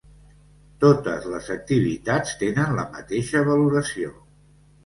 Totes les activitats tenen la mateixa valoració.